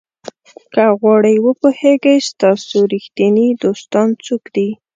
که غواړئ وپوهیږئ ستاسو ریښتیني دوستان څوک دي.